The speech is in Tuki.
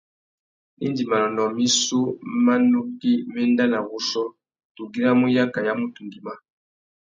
Indi manônōh missú má nukí mà enda nà wuchiô, tu güiramú yaka ya mutu ngüimá.